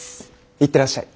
いってらっしゃい。